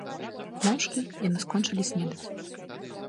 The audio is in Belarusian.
Моўчкі яны скончылі снедаць.